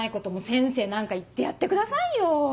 先生何か言ってやってくださいよ。